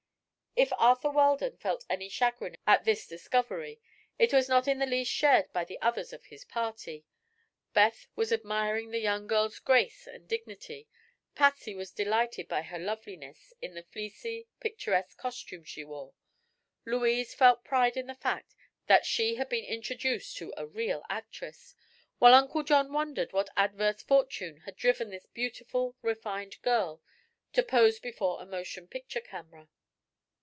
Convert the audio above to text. If Arthur Weldon felt any chagrin at this, discovery it was not in the least shared by the others of his party. Beth was admiring the young girl's grace and dignity; Patsy was delighted by her loveliness in the fleecy, picturesque costume she wore; Louise felt pride in the fact that she had been introduced to "a real actress," while Uncle John wondered what adverse fortune had driven this beautiful, refined girl to pose before a motion picture camera.